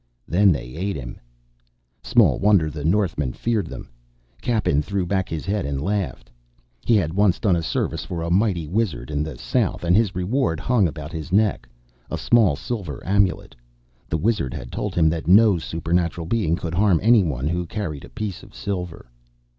Then they ate him Small wonder the northmen feared them. Cappen threw back his head and laughed. He had once done a service for a mighty wizard in the south, and his reward hung about his neck, a small silver amulet. The wizard had told him that no supernatural being could harm anyone who carried a piece of silver.